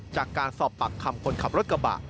จากการสอบปากคำคนขับรถกระบะ